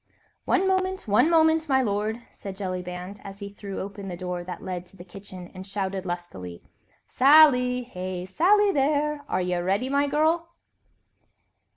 "One moment! one moment, my lord," said Jellyband, as he threw open the door that led to the kitchen and shouted lustily: "Sally! Hey, Sally there, are ye ready, my girl?"